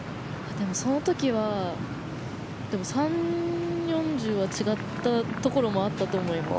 その時は３０４０は違ったところもあったと思います。